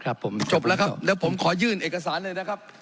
ครับผมจบแล้วครับเดี๋ยวผมขอยื่นเอกสารเลยนะครับ